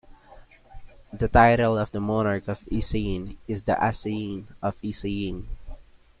The title of the monarch of Iseyin is "The Aseyin of Iseyin".